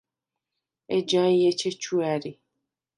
ეჯაი̄ ეჩეჩუ ა̈რი.